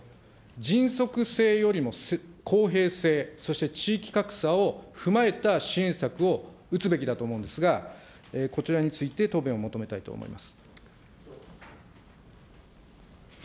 迅速性よりも公平性、そして地域格差を踏まえた支援策を打つべきだと思うんですが、こちらについて、答弁を求めたいと思います。